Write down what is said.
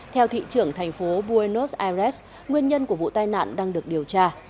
theo thị trưởng thành phố buenos aires nguyên nhân của vụ tai nạn đang được điều tra